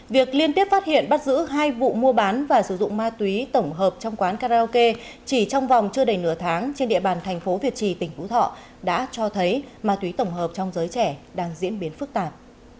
việc liên tiếp phát hiện bắt giữ hai vụ mua bán và sử dụng ma túy tổng hợp trong quán karaoke chỉ trong vòng chưa đầy nửa tháng trên địa bàn thành phố việt trì tỉnh phú thọ đã cho thấy ma túy tổng hợp trong giới trẻ đang diễn biến phức tạp